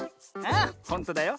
ああほんとだよ。